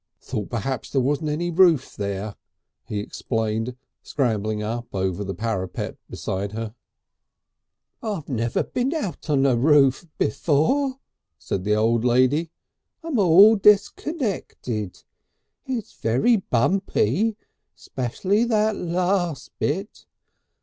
"Thought perhaps there wasn't any roof there!" he explained, scrambling up over the parapet beside her. "I've never been out on a roof before," said the old lady. "I'm all disconnected. It's very bumpy. Especially that last bit.